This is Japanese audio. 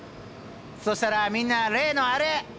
そしたらみんな例のあれ。